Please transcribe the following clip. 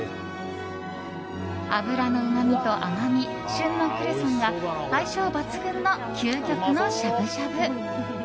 脂のうまみと甘み旬のクレソンが相性抜群の究極のしゃぶしゃぶ。